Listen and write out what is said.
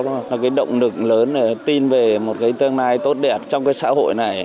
nó là cái động lực lớn để tin về một cái tương lai tốt đẹp trong cái xã hội này